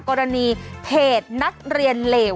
กรณีเพจนักเรียนเหลว